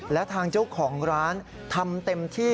และทางเจ้าของร้านทำเต็มที่